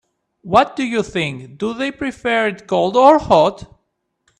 What do you think, do they prefer it cold or hot?